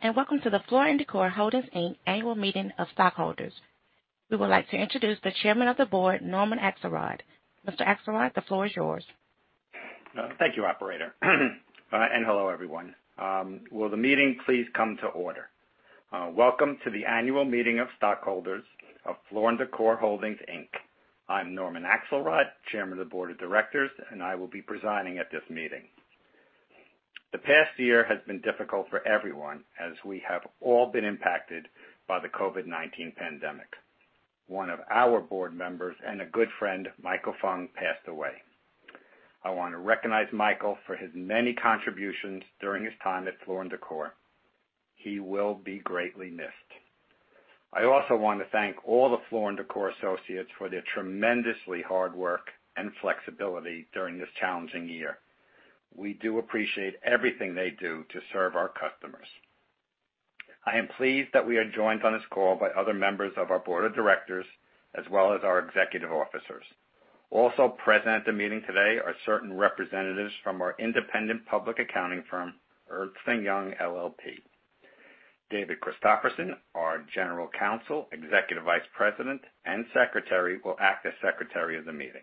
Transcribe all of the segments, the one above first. Hello, welcome to the Floor & Decor Holdings, Inc. annual meeting of stockholders. We would like to introduce the Chairman of the Board, Norman Axelrod. Mr. Axelrod, the floor is yours. Thank you, operator. Hello, everyone. Will the meeting please come to order? Welcome to the annual meeting of stockholders of Floor & Decor Holdings, Inc. I'm Norman Axelrod, Chairman of the Board of Directors, and I will be presiding at this meeting. The past year has been difficult for everyone, as we have all been impacted by the COVID-19 pandemic. One of our board members and a good friend, Michael Fung, passed away. I want to recognize Michael for his many contributions during his time at Floor & Decor. He will be greatly missed. I also want to thank all the Floor & Decor associates for their tremendously hard work and flexibility during this challenging year. We do appreciate everything they do to serve our customers. I am pleased that we are joined on this call by other members of our Board of Directors, as well as our executive officers. Also present at the meeting today are certain representatives from our independent public accounting firm, Ernst & Young LLP. David Christopherson, our General Counsel, Executive Vice President, and Secretary, will act as secretary of the meeting.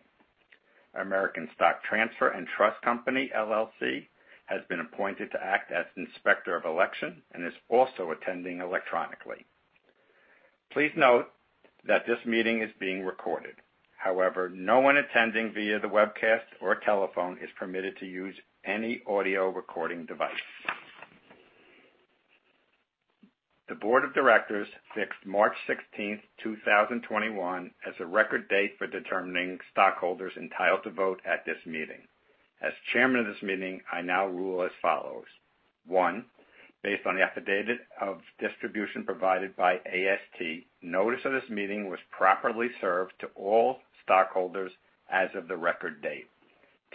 American Stock Transfer & Trust Company, LLC has been appointed to act as Inspector of Election and is also attending electronically. Please note that this meeting is being recorded. However, no one attending via the webcast or telephone is permitted to use any audio recording device. The Board of Directors fixed March 16th, 2021, as the record date for determining stockholders entitled to vote at this meeting. As chairman of this meeting, I now rule as follows. One, based on the affidavit of distribution provided by AST, notice of this meeting was properly served to all stockholders as of the record date.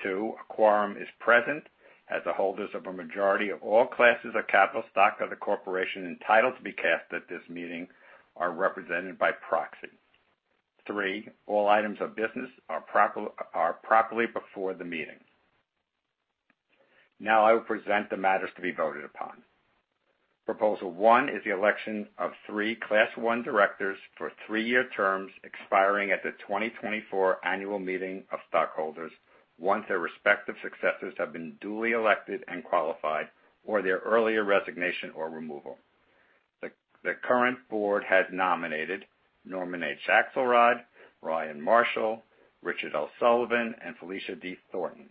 Two, a quorum is present, as the holders of a majority of all classes of capital stock of the corporation entitled to be cast at this meeting are represented by proxy. Three, all items of business are properly before the meeting. Now I will present the matters to be voted upon. Proposal one is the election of three Class I directors for three-year terms expiring at the 2024 annual meeting of stockholders, once their respective successors have been duly elected and qualified, or their earlier resignation or removal. The current board has nominated Norman Axelrod, Ryan Marshall, Richard L. Sullivan, and Felicia D. Thornton.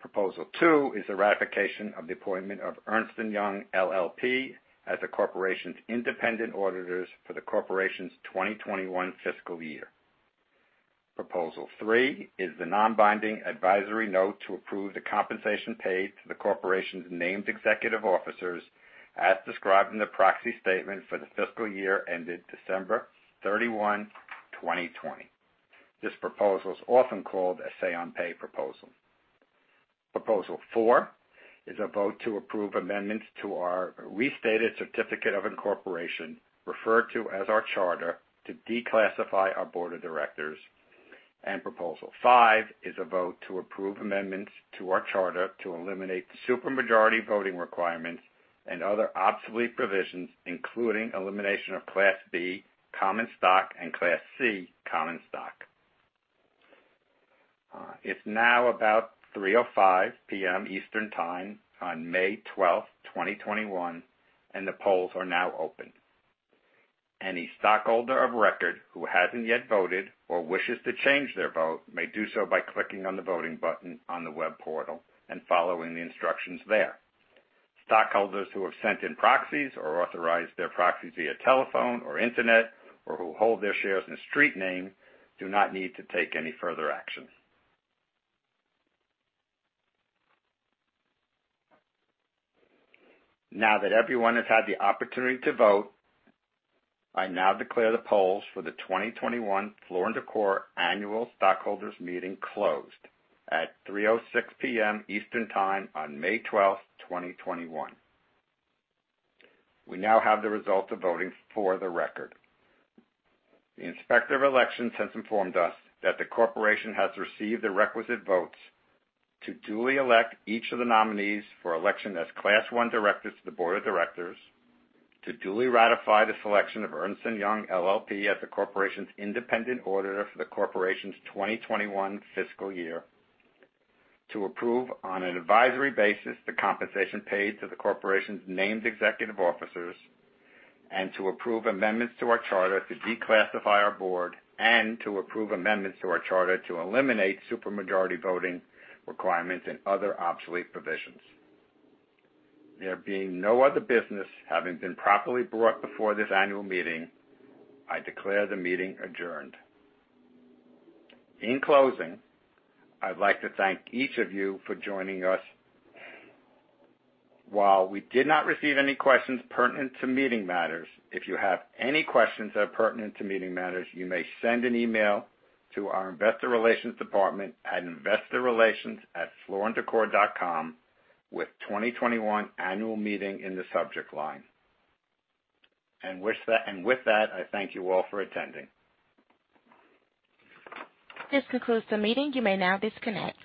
Proposal two is the ratification of the appointment of Ernst & Young LLP as the corporation's independent auditors for the corporation's 2021 fiscal year. Proposal three is the non-binding advisory note to approve the compensation paid to the corporation's named executive officers as described in the proxy statement for the fiscal year ended December 31, 2020. This proposal is often called a say on pay proposal. Proposal four is a vote to approve amendments to our restated certificate of incorporation, referred to as our charter, to declassify our board of directors. Proposal five is a vote to approve amendments to our charter to eliminate the supermajority voting requirements and other obsolete provisions, including elimination of Class B common stock and Class C common stock. It's now about 3:05 P.M. Eastern Time on May 12th, 2021, the polls are now open. Any stockholder of record who hasn't yet voted or wishes to change their vote may do so by clicking on the voting button on the web portal and following the instructions there. Stockholders who have sent in proxies or authorized their proxies via telephone or internet or who hold their shares in a street name do not need to take any further action. Now that everyone has had the opportunity to vote, I now declare the polls for the 2021 Floor & Decor annual stockholders meeting closed at 3:06 P.M. Eastern Time on May 12th, 2021. We now have the results of voting for the record. The Inspector of Elections has informed us that the corporation has received the requisite votes to duly elect each of the nominees for election as Class I directors to the board of directors, to duly ratify the selection of Ernst & Young LLP as the corporation's independent auditor for the corporation's 2021 fiscal year, to approve, on an advisory basis, the compensation paid to the corporation's named executive officers, and to approve amendments to our charter to declassify our board and to approve amendments to our charter to eliminate super majority voting requirements and other obsolete provisions. There being no other business having been properly brought before this annual meeting, I declare the meeting adjourned. In closing, I'd like to thank each of you for joining us. While we did not receive any questions pertinent to meeting matters, if you have any questions that are pertinent to meeting matters, you may send an email to our investor relations department at investorrelations@flooranddecor.com with "2021 Annual Meeting" in the subject line. With that, I thank you all for attending. This concludes the meeting. You may now disconnect.